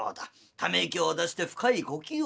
ため息を出して深い呼吸をするんだ。